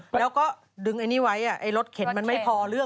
แล้วก็ดึงไอ้นี่ไว้ไอ้รถเข็นมันไม่พอเรื่อง